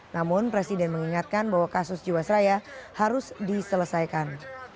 namun presiden mengingatkan bahwa kasus jiwasraya harus diselesaikan